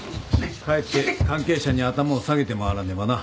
帰って関係者に頭を下げて回らねばな。